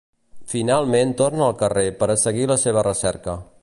Finalment torna al carrer per a seguir la seva recerca.